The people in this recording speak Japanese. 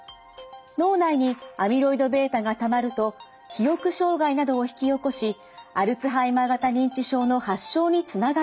脳内にアミロイドβがたまると記憶障害などを引き起こしアルツハイマー型認知症の発症につながる可能性があります。